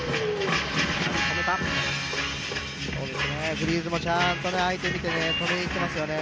フリーズもちゃんと相手を見て取りに行ってますよね。